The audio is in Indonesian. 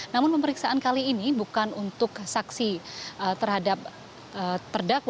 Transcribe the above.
namun pemeriksaan kali ini bukan untuk saksi terhadap terdakwa